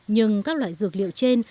nhưng các loại dược liệu trên